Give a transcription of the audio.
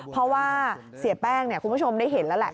เพราะว่าเสียแป้งคุณผู้ชมได้เห็นแล้วแหละ